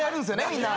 みんな。